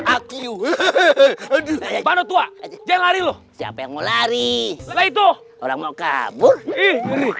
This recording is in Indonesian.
aku aduh jalan jalan mau lari itu orang mau kabur